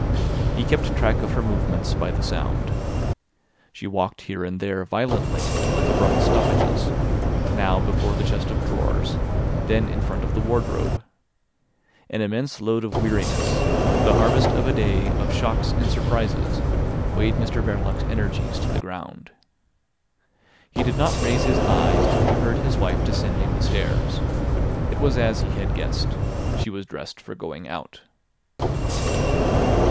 He kept track of her movements by the sound. She walked here and there violently, with abrupt stoppages, now before the chest of drawers, then in front of the wardrobe. An immense load of weariness, the harvest of a day of shocks and surprises, weighed Mr Verloc's energies to the ground. He did not raise his eyes till he heard his wife descending the stairs. It was as he had guessed. She was dressed for going out.